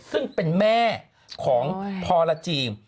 ซึ่งเป็นแม่ของพรจีม